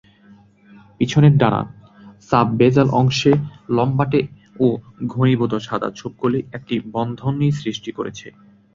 পিছনের ডানা: সাব-বেসাল অংশে লম্বাটে ও ঘনীভূত সাদা ছোপগুলি একটি বন্ধনী সৃষ্টি করেছে।